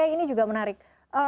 ini juga menarik